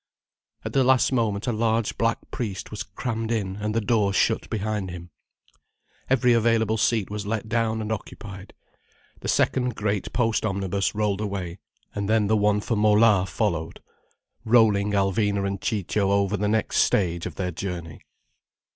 At the last moment a large black priest was crammed in, and the door shut behind him. Every available seat was let down and occupied. The second great post omnibus rolled away, and then the one for Mola followed, rolling Alvina and Ciccio over the next stage of their journey.